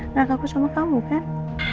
nangkaku sama kamu kan